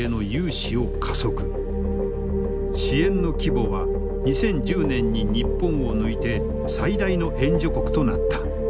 支援の規模は２０１０年に日本を抜いて最大の援助国となった。